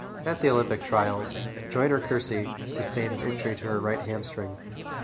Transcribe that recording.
At the Olympic Trials, Joyner-Kersee sustained an injury to her right hamstring.